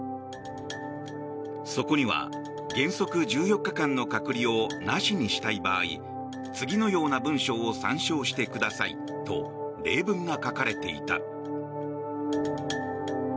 そこには原則１４日間の隔離をなしにしたい場合次のような文章を参照してくださいと例文が書かれていた。